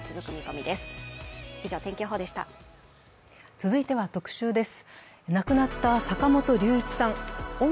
続いては特集です。